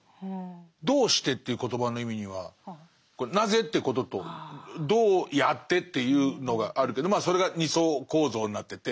「どうして」という言葉の意味には「なぜ？」ってことと「どうやって？」っていうのがあるけどまあそれが２層構造になってて。